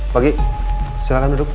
pagi silahkan duduk